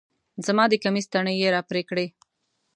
زما د کميس تڼۍ يې راپرې کړې